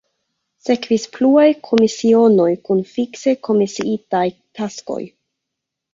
Sekvis pluaj komisionoj kun fikse komisiitaj taskoj.